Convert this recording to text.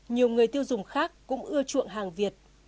nhiều người tiêu dùng khác cũng ưa chuộng hàng việt